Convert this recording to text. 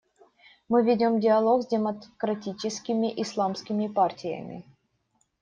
Мы ведем диалог с демократическими исламскими партиями.